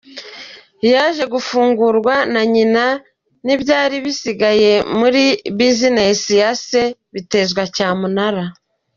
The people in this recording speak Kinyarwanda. Yaje gufunganwa na nyina nibyari bisigaye muri bizinesi ya Se bitezwa cyamunara.